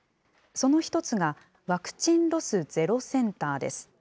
その１つが、ワクチンロスゼロセンターです。